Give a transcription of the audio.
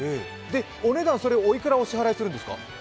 お値段おいくらお支払いするんですか？